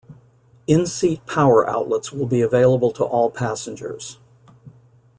In-seat power outlets will be available to all passengers.